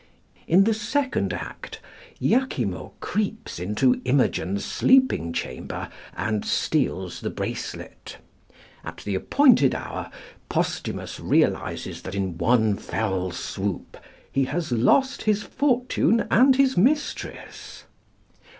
In the second act Iachimo creeps into Imogen's sleeping chamber and steals the bracelet. At the appointed hour Posthumus realises that, in one fell swoop, he has lost his fortune and his mistress.